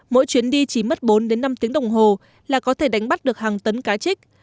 mỗi chuyến đi chỉ mất bốn đến năm tiếng đồng hồ là có thể đánh bắt được hàng tấn cá trích